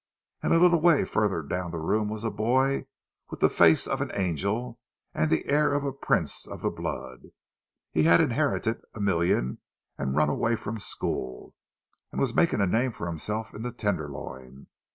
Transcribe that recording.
And a little way farther down the room was a boy with the face of an angel and the air of a prince of the blood—he had inherited a million and run away from school, and was making a name for himself in the Tenderloin.